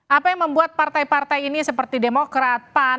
apa yang membuat partai partai ini seperti demokrat pan